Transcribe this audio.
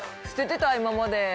捨ててた今まで。